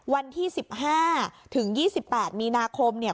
วันที่๑๕ถึง๒๘มีนาคมเนี่ย